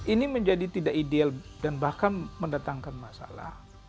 ini menjadi tidak ideal dan bahkan mendatangkan masalah